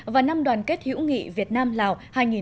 và năm đoàn kết hữu nghị việt nam lào